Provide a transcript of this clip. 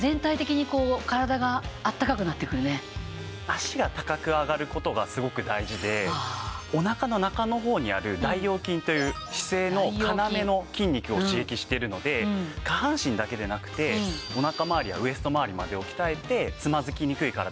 脚が高く上がる事がすごく大事でお腹の中の方にある大腰筋という姿勢の要の筋肉を刺激しているので下半身だけでなくてお腹まわりやウエストまわりまでを鍛えてつまずきにくい体